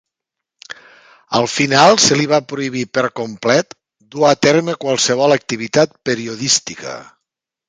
Al final se li va prohibir per complet dur a terme qualsevol activitat periodística.